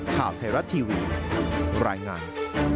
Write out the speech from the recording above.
ข่าวไทยรัฐทีวีรายงาน